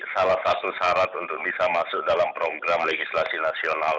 salah satu syarat untuk bisa masuk dalam program legislasi nasional